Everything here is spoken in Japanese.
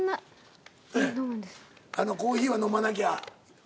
コーヒーは飲まなきゃ。